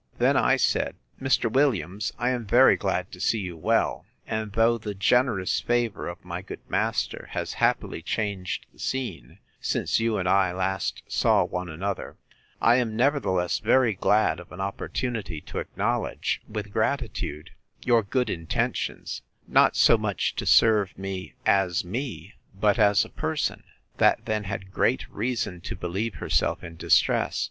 Then I said, Mr. Williams, I am very glad to see you well; and though the generous favour of my good master has happily changed the scene, since you and I last saw one another, I am nevertheless very glad of an opportunity to acknowledge, with gratitude, your good intentions, not so much to serve me, as me, but as a person—that then had great reason to believe herself in distress.